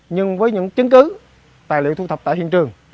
nhưng với những chứng cứ tài liệu thu thập tại hiện trường